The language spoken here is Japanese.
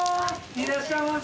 いらっしゃいませ。